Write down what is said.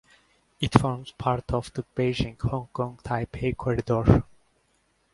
It forms part of the Beijing–Hong Kong (Taipei) corridor.